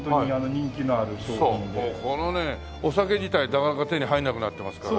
このねお酒自体なかなか手に入らなくなってますからね。